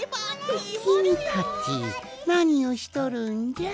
きみたちなにをしとるんじゃ？